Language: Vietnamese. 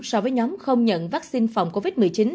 so với nhóm không nhận vaccine phòng covid một mươi chín